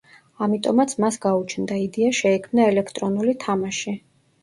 ამიტომაც მას გაუჩნდა იდეა შეექმნა ელექტრონული თამაში.